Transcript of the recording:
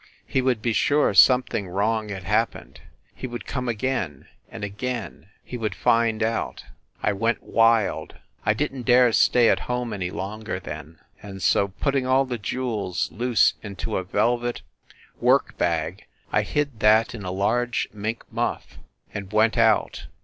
He would be sure something wrong had happened ... he would come again ... and again ... he would find out. ... I went wild. I didn t dare stay at home any longer, then; and so, putting all the jewels loose into a velvet work SCHEFFEL HALL 45 bag, I hid that in a large mink muff and went out